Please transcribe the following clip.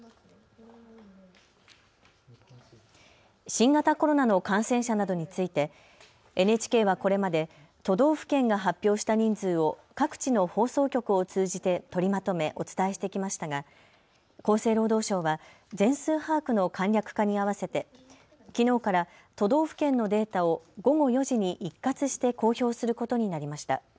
新型コロナの感染者などについてＮＨＫはこれまで都道府県が発表した人数を各地の放送局を通じて取りまとめお伝えしてきましたが厚生労働省は全数把握の簡略化に合わせてきのうから都道府県のデータを午後４時に一括して公表することになりました。